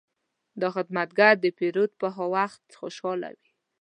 دا خدمتګر د پیرود پر وخت خوشحاله وي.